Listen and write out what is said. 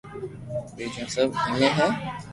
ٻيجو سب ايمي ھي